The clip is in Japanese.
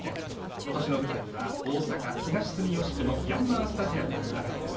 今年の舞台は大阪・東住吉区ヤンマースタジアム長居です。